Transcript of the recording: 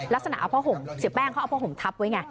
ลักษณะเอาท่าหงสีแป้งเอาท่าหงทับไว้ไง